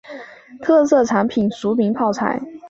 特色产品裕民泡菜。